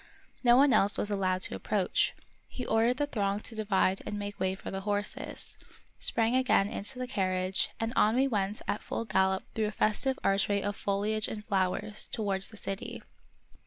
No one else was allowed to approach. He ordered the throng to divide and make way for the horses, sprang again into the carriage, and on we went at full gallop through a festive archway of foliage and flowers, towards the city.